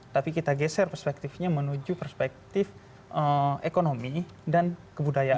tapi kita geser perspektifnya menuju perspektif ekonomi dan kebudayaan